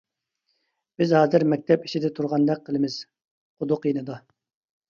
بىز ھازىر مەكتەپ ئىچىدە تۇرغاندەك قىلىمىز، قۇدۇق يېنىدا.